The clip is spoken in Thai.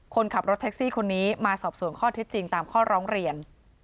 คนขับรถแท็กซี่คนนี้มาสอบส่วนข้อเท็จจริงตามข้อร้องเรียน